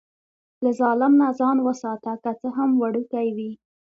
له ظلم نه ځان وساته، که څه هم وړوکی وي.